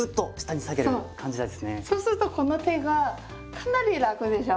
そうするとこの手がかなり楽でしょ？